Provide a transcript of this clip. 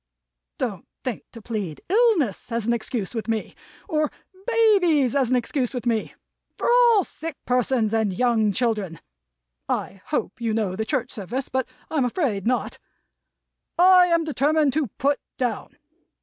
Don't think to plead illness as an excuse with me; or babies as an excuse with me; for all sick persons and young children (I hope you know the church service, but I'm afraid not) I am determined to Put Down.